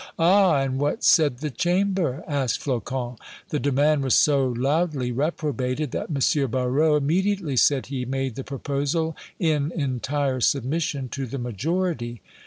"Ah! And what said the Chamber?" asked Flocon. "The demand was so loudly reprobated that M. Barrot immediately said he made the proposal in entire submission to the majority."